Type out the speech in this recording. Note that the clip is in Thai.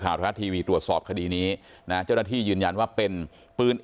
ทรัฐทีวีตรวจสอบคดีนี้นะเจ้าหน้าที่ยืนยันว่าเป็นปืน